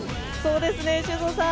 修造さん